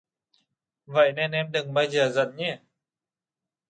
Vậy nên em đừng bao giờ giận nhé